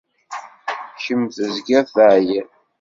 Kemm tezgiḍ teεyiḍ.